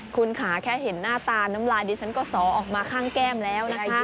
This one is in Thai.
คุณค่ะแค่เห็นหน้าตาน้ำลายดิฉันก็สอออกมาข้างแก้มแล้วนะคะ